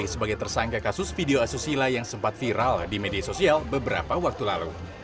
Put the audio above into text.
sebagai tersangka kasus video asusila yang sempat viral di media sosial beberapa waktu lalu